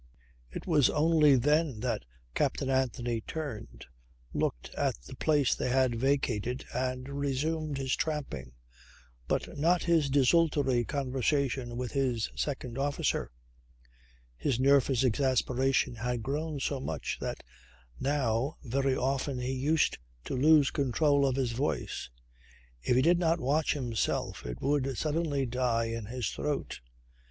It was only then that Captain Anthony turned, looked at the place they had vacated and resumed his tramping, but not his desultory conversation with his second officer. His nervous exasperation had grown so much that now very often he used to lose control of his voice. If he did not watch himself it would suddenly die in his throat.